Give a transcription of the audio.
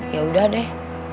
ya udah deh